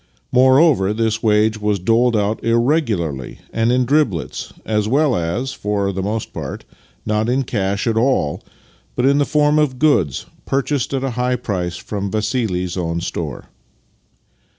Moreover, this wage was doled out irregularly and in driblets, as well as, for the most part, not in cash at all, but in the form of goods purchased at a high price from Vassili's own store.